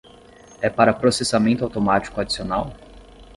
É para processamento automático adicional?